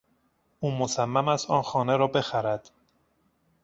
او مصمم است آن خانه را بخرد.